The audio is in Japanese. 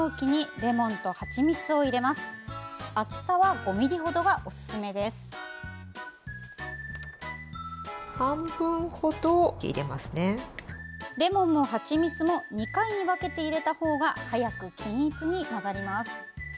レモンもはちみつも２回に分けて入れたほうが早く均一に混ざります。